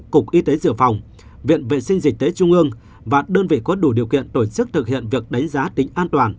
cục y tế dự phòng viện vệ sinh dịch tế trung ương và đơn vị có đủ điều kiện tổ chức thực hiện việc đánh giá tính an toàn